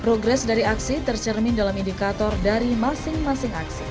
progres dari aksi tercermin dalam indikator dari masing masing aksi